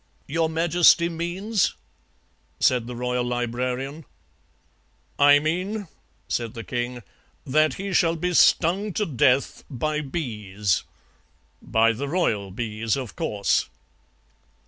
"'Your Majesty means ?' said the Royal Librarian. "'I mean,' said the king, 'that he shall be stung to death by bees. By the royal bees, of course.'